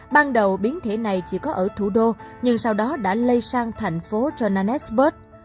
ban đầu biến thể này chỉ có ở thủ đô nhưng sau đó đã lây sang thành phố gennatbus